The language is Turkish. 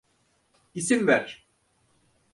İsim ver.